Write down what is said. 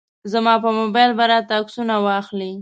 زما په موبایل به راته عکسونه واخلي.